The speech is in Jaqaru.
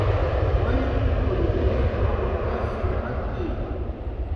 "Wallpkun ñaq'w t""ajir maki"